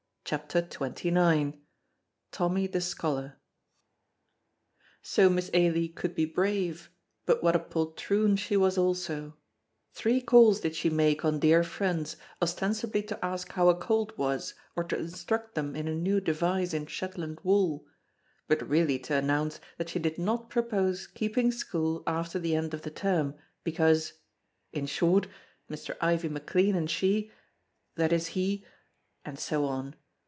CHAPTER XXIX TOMMY THE SCHOLAR So Miss Ailie could be brave, but what a poltroon she was also! Three calls did she make on dear friends, ostensibly to ask how a cold was or to instruct them in a new device in Shetland wool, but really to announce that she did not propose keeping school after the end of the term because in short, Mr. Ivie McLean and she that is he and so on.